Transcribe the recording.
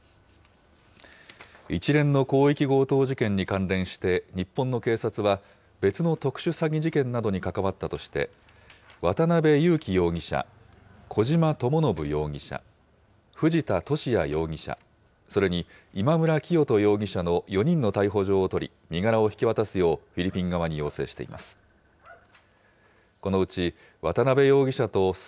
一連の広域強盗事件に関連して日本の警察は、別の特殊詐欺事件などに関わったとして、渡邉優樹容疑者、小島智信容疑者、藤田聖也容疑者、それに今村磨人容疑者の４人の逮捕状を取り、身柄を引き渡すようフィリピン側に要請しています。